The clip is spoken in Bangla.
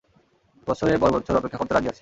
বৎসরের পর বৎসর অপেক্ষা করতে রাজি আছি।